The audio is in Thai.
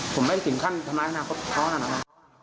ผมไม่สิ่งขั้นทำร้ายทางน้ำเพราะเขานั่นอ่ะ